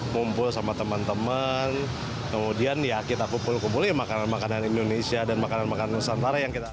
kumpul sama teman teman kemudian ya kita kumpul kumpulin makanan makanan indonesia dan makanan makanan nusantara yang kita